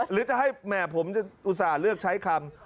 หรือจะให้แม่ผมจะอุตส่าห์เลือกใช้คำ